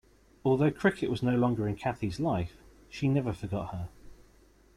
Although Cricket was no longer in Cathee's life, she never forgot her.